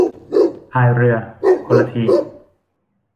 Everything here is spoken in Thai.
พายเรือคนละที